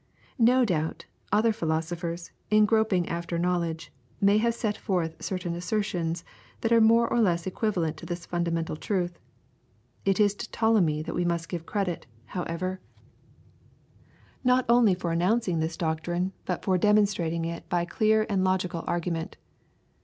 No doubt, other philosophers, in groping after knowledge, may have set forth certain assertions that are more or less equivalent to this fundamental truth. It is to Ptolemy we must give credit, however, not only for announcing this doctrine, but for demonstrating it by clear and logical argument.